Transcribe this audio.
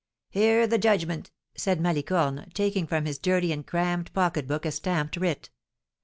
"Hear the judgment," said Malicorne, taking from his dirty and crammed pocketbook a stamped writ.